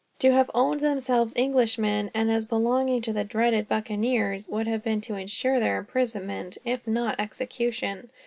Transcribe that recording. To have owned themselves Englishmen, and as belonging to the dreaded buccaneers, would have been to ensure their imprisonment, if not execution.